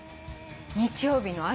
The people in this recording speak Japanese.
日曜日の朝」